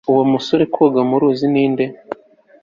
Uwo musore koga mu ruzi ninde